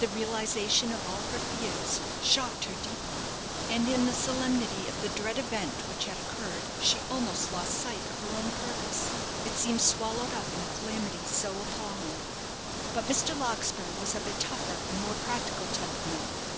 The realization of all her fears shocked her deeply, and in the solemnity of the dread event which had occurred she almost lost sight of her own purpose, it seemed swallowed up in a calamity so appalling. But Mr. Larkspur was of a tougher and more practical temperament.